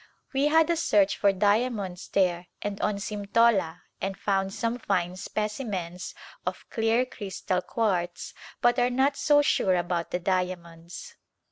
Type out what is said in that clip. We had a search for diamonds there and on Simtola and found some fine specimens of clear crystal quartz but are not so sure about the dia monds.